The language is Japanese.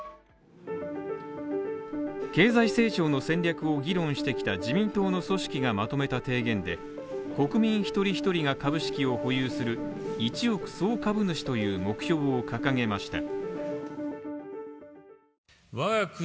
経済成長の戦略を議論してきた自民党の組織がまとめた提言で、国民一人一人が株式を保有する一億総株主という目標を掲げました。